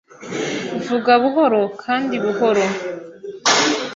Vuga buhoro kandi buhoro